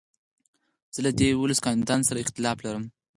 زه له دې يوولسو کانديدانو سره اختلاف لرم.